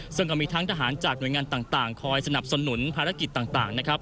ซึ่งก็มีทั้งทหารจากหน่วยงานต่างคอยสนับสนุนภารกิจต่างนะครับ